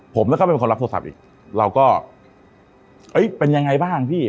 ผมแล้วก็เป็นคนรับโทรศัพท์อีกเราก็เอ้ยเป็นยังไงบ้างพี่